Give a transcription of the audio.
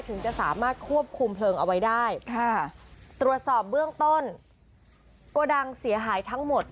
ถึงจะสามารถควบคุมเพลิงเอาไว้ได้ค่ะตรวจสอบเบื้องต้นโกดังเสียหายทั้งหมด